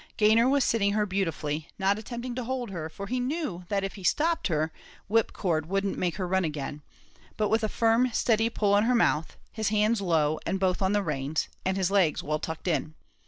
Gayner was sitting her beautifully, not attempting to hold her, for he knew that if he stopped her, whipcord wouldn't make her run again; but with a firm, steady pull on her mouth his hands low, and both on the reins, and his legs well tucked in.